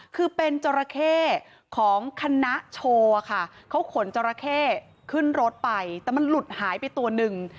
คือเป็นจราเข้ของคณะโชว์ค่ะเขาขนจราเข้ขึ้นรถไปแต่มันหลุดหายไปตัวหนึ่ง